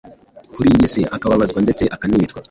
kuri iyi si akababazwa ndetse akanicwa.